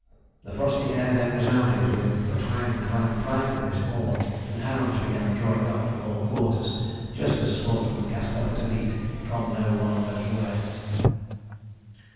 The frosty air then resounded with the twang, twang, twang of his horn, and hounds began drawing up from all quarters, just as sportsmen cast up at a meet from no one knows where.